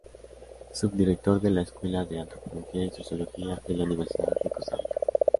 Subdirector de la Escuela de Antropología y Sociología de la Universidad de Costa Rica.